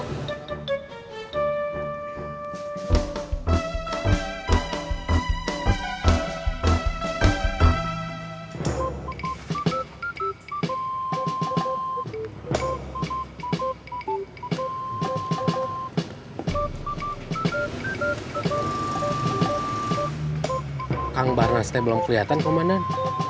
kampung barnas itu belum keliatan komandang